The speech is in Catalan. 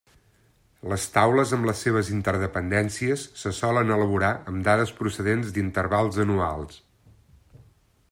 Les taules amb les seves interdependències se solen elaborar amb dades procedents d'intervals anuals.